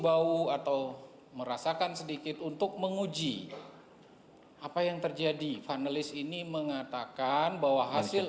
bau atau merasakan sedikit untuk menguji apa yang terjadi panelis ini mengatakan bahwa hasil